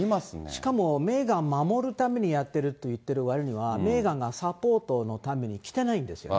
しかもメーガン守るためにやってるって言ってるわりには、メーガンがサポートのために来てないんですよね。